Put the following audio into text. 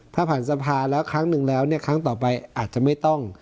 ถ้าผ่านสภาแล้วครั้งหนึ่งแล้วเนี่ยครั้งต่อไปอาจจะไม่ต้อง